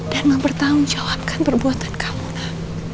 dan mempertanggungjawabkan perbuatan kamu nak